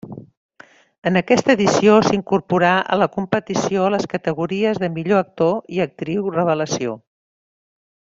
En aquesta edició s'incorporà a la competició les categories de millor actor i actriu revelació.